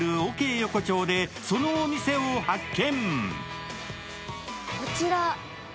横丁でそのお店を発見。